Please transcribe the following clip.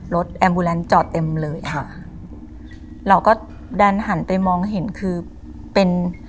แอมบูแลนด์จอดเต็มเลยค่ะเราก็ดันหันไปมองเห็นคือเป็น